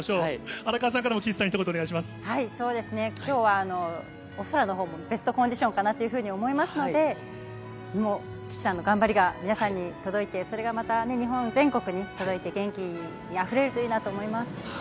荒川さんからも岸さんにひと言おそうですね、きょうはお空のほうもベストコンディションかなというふうに思いますので、もう岸さんの頑張りが皆さんに届いて、それがまた日本全国に届いて、元気にあふれるといいなと思います。